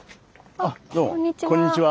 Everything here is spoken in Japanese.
あっどうもこんにちは。